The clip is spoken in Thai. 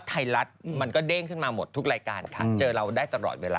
คุณอายุไม่ได้น้อยแล้วนะ